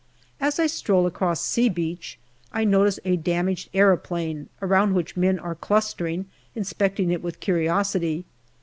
As I stroll across " C " Beach I notice a damaged aeroplane, around which men are clustering, inspecting it with curiosity.